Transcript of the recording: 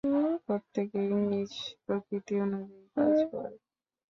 প্রত্যেকেই নিজ প্রকৃতি অনুযায়ী কাজ করে।